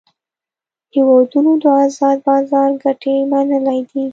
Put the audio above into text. هیوادونو د آزاد بازار ګټې منلې دي